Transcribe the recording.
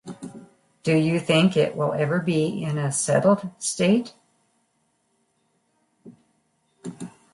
Do you think it will ever be in a settled state?